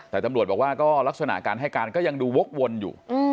แต่ตำรวจบอกว่าก็ลักษณะการให้การก็ยังดูวกวนอยู่